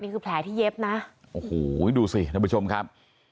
นี่คือแผลที่เย็บนะโอ้โหดูสิคุณผู้ชมครับ